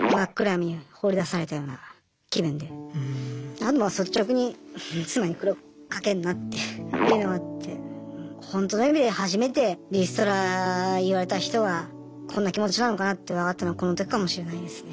あとまあ率直に妻に苦労かけるなっていうのがあってほんとの意味で初めてリストラ言われた人はこんな気持ちなのかなって分かったのこの時かもしれないですね。